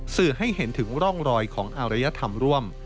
สื่อให้เห็นถึงร่องรอยของอารยธรรมร่วม